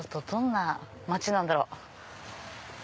どんな町なんだろう？